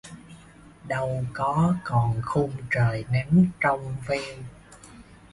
Đâu có còn khung trời nắng trong veo